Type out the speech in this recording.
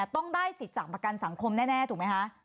ต้องได้สิทธิ์จากประกันสังคมแน่ถูกไหมคะ